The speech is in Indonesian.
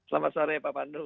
selamat sore pak pandu